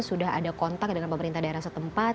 sudah ada kontak dengan pemerintah daerah setempat